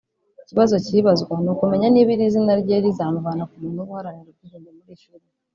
Ikibazo kibazwa ni ukumenya niba iri zina rye rizamuvana ku muntu uba uharanira ubwigenge muri iyi filimi